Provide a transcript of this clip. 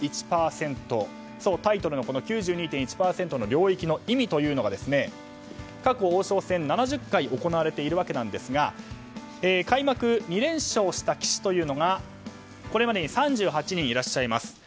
タイトルの９２．１％の領域というのが過去、王将戦は７０回行われているわけなんですが開幕２連勝した棋士というのがこれまでに３８人いらっしゃいます。